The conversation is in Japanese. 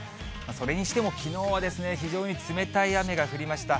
それにしても、きのうは非常に冷たい雨が降りました。